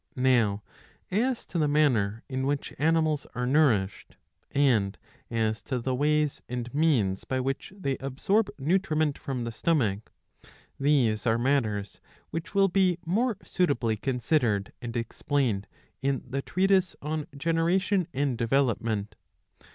Now as to the manner in which animals are nourished,^ and as to the ways and means by which they absorb nutriment from the stomach, these are matters which will be more suitably considered and explained in the treatise on Generation and Development.